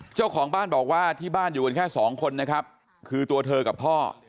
เจ้าของบ้านบอกว่าที่บ้านอยู่กันแค่สองคนนะครับคือตัวเธอกับพ่อ